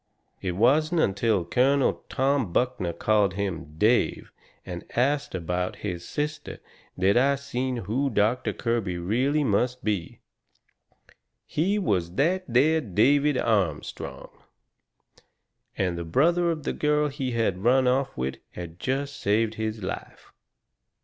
It wasn't until Colonel Tom Buckner called him "Dave" and ast him about his sister that I seen who Doctor Kirby must really be. HE WAS THAT THERE DAVID ARMSTRONG! And the brother of the girl he had run off with had jest saved his life.